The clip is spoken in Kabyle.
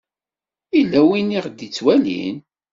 Yella win i ɣ-d-ittwalin.